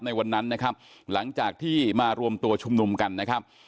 ในวันนั้นนะครับหลังจากที่มารวมตัวชุมนุมกันนะครับ